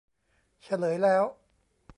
เฉลยแล้ว